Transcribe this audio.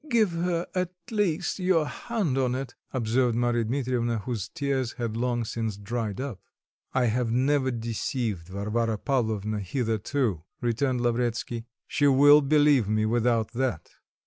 "Give her, at least your hand on it," observed Marya Dmitrievna, whose tears had long since dried up. "I have never deceived Varvara Pavlovna hitherto," returned Lavretsky; "she will believe me without that.